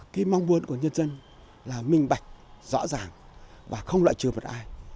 cái mong muốn của nhân dân là minh bạch rõ ràng và không loại trừ một ai